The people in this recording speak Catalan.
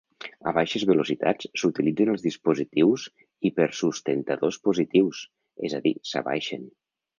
A baixes velocitats, s'utilitzen els dispositius hipersustentadors positius, és a dir, s'abaixen.